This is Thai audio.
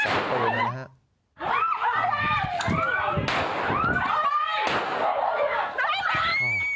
ไฟกันสักตัวเลยนะครับ